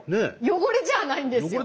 汚れじゃないんですよ。